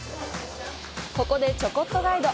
ここで、ちょこっとガイド！